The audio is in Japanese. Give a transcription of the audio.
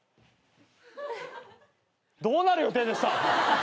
どうなる予定でした？